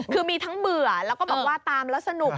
คือมีทั้งเบื่อแล้วก็บอกว่าตามแล้วสนุก